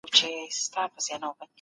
ایا تکړه پلورونکي ممیز ساتي؟